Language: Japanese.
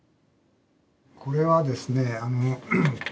これはですね